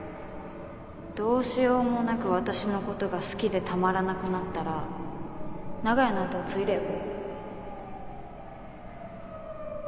どうしようもなく私の事が好きでたまらなくなったら長屋の後を継いでよ。